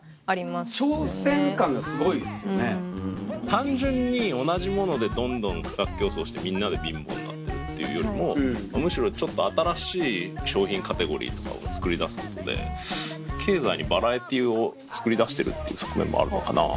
単純に同じものでどんどん価格競争してみんなで貧乏になっているっていうよりもむしろちょっと新しい商品カテゴリとかを作り出すことで経済にバラエティーを作り出してるって側面も。